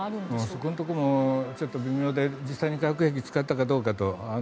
そこのところもちょっと微妙で実際に化学兵器を使ったかどうかと。